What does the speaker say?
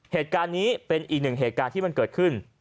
เหตุการณ์นี้เป็นอีกหนึ่งเหตุการณ์ที่มันเกิดขึ้น